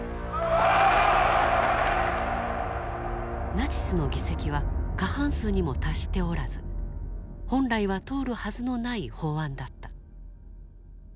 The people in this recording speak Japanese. ナチスの議席は過半数にも達しておらず本来は通るはずのない法案だった。